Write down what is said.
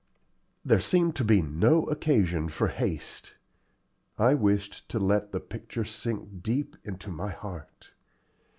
There seemed to be no occasion for haste. I wished to let the picture sink deep into my heart.